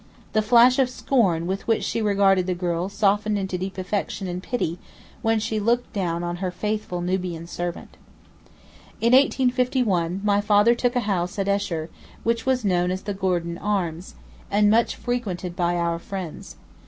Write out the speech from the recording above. The flash of scorn with which she regarded the girl softened into deep affection and pity when she looked down on her faithful Nubian servant. In 1851 my father took a house at Esher, which was known as 'The Gordon Arms,' and much frequented by our friends.